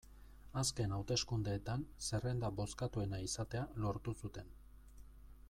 Azken hauteskundeetan zerrenda bozkatuena izatea lortu zuten.